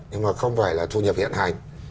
nhưng mà không phải là thu nhập hiện hành